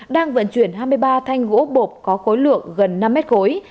đang vận chuyển hai mươi ba thanh gỗ bộp có khối lượng gần năm mét khối